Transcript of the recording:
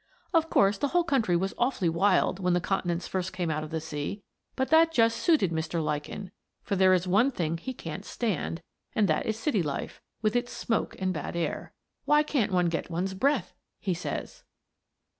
Of course the whole country was awfully wild when the continents first came out of the sea, but that just suited Mr. Lichen, for there is one thing he can't stand, and that is city life, with its smoke and bad air. "Why, one can't get one's breath!" he says.